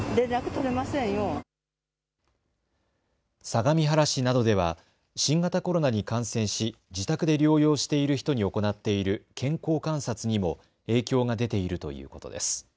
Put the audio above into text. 相模原市などでは新型コロナに感染し自宅で療養している人に行っている健康観察にも影響が出ているということです。